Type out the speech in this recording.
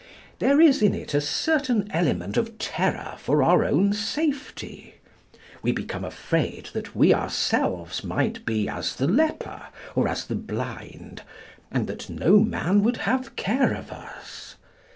There is in it a certain element of terror for our own safety. We become afraid that we ourselves might be as the leper or as the blind, and that no man would have care of us.